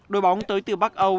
đội bóng tới từ bắc âu